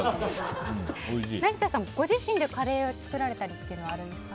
成田さん、ご自身でカレーを作られることはあるんですか？